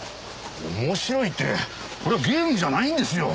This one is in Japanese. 面白いってこれはゲームじゃないんですよ？